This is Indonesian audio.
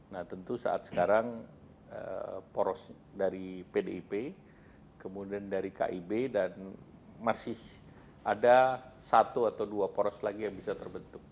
nah tentu saat sekarang poros dari pdip kemudian dari kib dan masih ada satu atau dua poros lagi yang bisa terbentuk